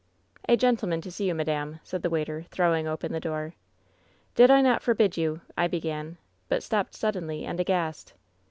*^ ^A gentleman to see madame/ said the waiter, throwing open the door. " T)id I not forbid you ' I began, but stopped suddenly and aghast.